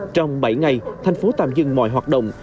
trong bảy ngày thành phố tạm dừng mọi hoạt động